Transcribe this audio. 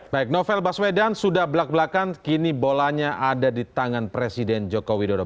baik novel baswedan sudah belak belakan kini bolanya ada di tangan presiden joko widodo